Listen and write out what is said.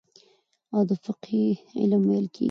او د فقهي علم ويل کېږي.